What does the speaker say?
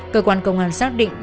cơ quan công an xác định